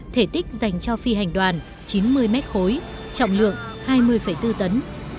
thể tích dành cho phi hành đoàn chín mươi mét khối trọng lượng hai mươi bốn tấn